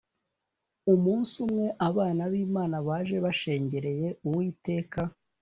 Umunsi umwe abana b’Imana baje bashengereye Uwiteka